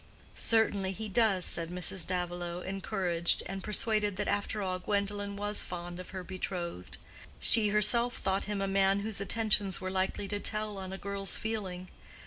"Certainly he does," said Mrs. Davilow, encouraged, and persuaded that after all Gwendolen was fond of her betrothed. She herself thought him a man whose attentions were likely to tell on a girl's feeling.